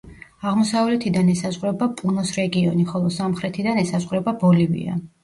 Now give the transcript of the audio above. აღმოსავლეთიდან ესაზღვრება პუნოს რეგიონი, ხოლო სამხრეთიდან ესაზღვრება ბოლივია.